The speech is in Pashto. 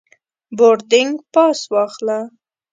بوردینګ پاس واخله.